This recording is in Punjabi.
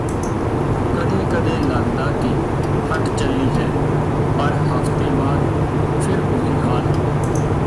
ਕਦੇ ਕਦੇ ਲਗਦਾ ਕਿ ਹਟ ਚਲੀ ਹੈ ਪਰ ਹਫਤੇ ਬਾਅਦ ਫਿਰ ਉਹੀ ਹਾਲ